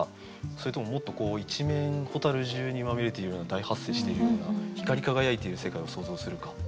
それとももっとこう一面蛍じゅうにまみれているような大発生しているような光り輝いている世界を想像するか。